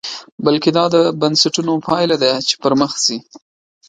بلکې دا د بنسټونو پایله ده چې پرمخ ځي.